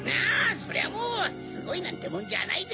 そりゃもうすごいなんてもんじゃないぜ！